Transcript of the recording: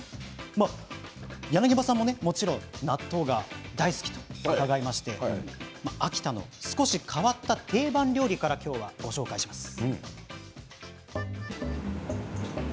柳葉さんも、もちろん納豆が大好きということを伺いまして秋田の少し変わった定番料理から今日はご紹介します。